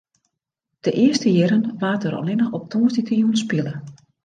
De earste jierren waard der allinne op tongersdeitejûn spile.